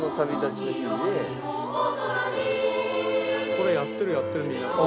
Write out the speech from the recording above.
これやってるやってるみんな。